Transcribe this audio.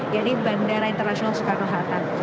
bandara internasional soekarno hatta